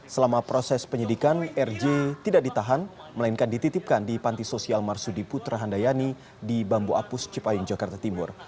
selama proses penyidikan rj tidak ditahan melainkan dititipkan di panti sosial marsudi putra handayani di bambu apus cipayung jakarta timur